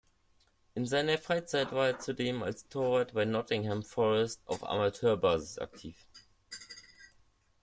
In seiner Freizeit war er zudem als Torwart bei Nottingham Forest auf Amateurbasis aktiv.